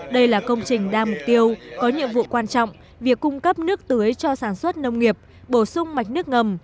đây là công trình đa mục tiêu có nhiệm vụ quan trọng việc cung cấp nước tưới cho sản xuất nông nghiệp bổ sung mạch nước ngầm